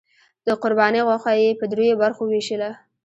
د قربانۍ غوښه یې په دریو برخو وویشله.